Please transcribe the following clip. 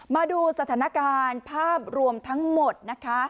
มาดูสถานการณ์ภาพรวมทั้งหมดนะคะ